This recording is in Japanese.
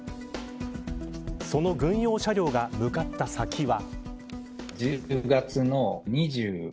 その軍用車両が向かった先は。